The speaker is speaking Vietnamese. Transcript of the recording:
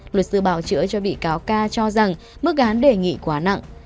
luật sư bảo chữa cho bị cáo ca cho rằng mức án đề nghị quá nặng